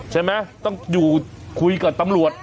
ใช่ไหมต้องอยู่คุยกับตำรวจ